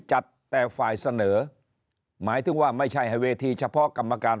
จัดแต่ฝ่ายเสนอหมายถึงว่าไม่ใช่ให้เวทีเฉพาะกรรมการ